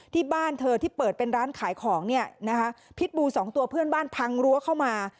ที่บ้านเธอที่เปิดเป็นร้านขายของเนี่ยนะคะพิษบูสองตัวเพื่อนบ้านพังรั้วเข้ามา